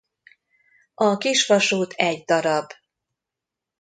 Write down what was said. A kisvasút egy db.